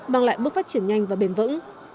mang lại mức phát triển nhanh và bền vững